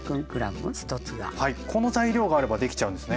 はいこの材料があればできちゃうんですね。